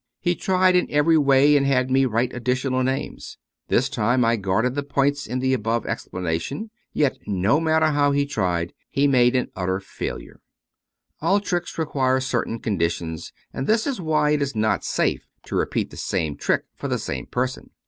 He tried in every way and had me write additional names. This time I guarded the points in the above explanation, yet no mat ter how he tried, he made an utter failure. All tricks re quire certain conditions, and this is why it is not safe to repeat the same trick for the same person.